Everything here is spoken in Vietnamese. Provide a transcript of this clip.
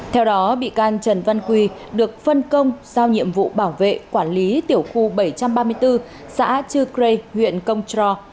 theo đó bị can trần văn quy được phân công giao nhiệm vụ bảo vệ quản lý tiểu khu bảy trăm ba mươi bốn xã chư cri huyện công trò